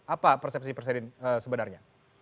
apa persepsi presiden sebenarnya